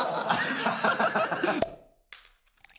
ハハハハ！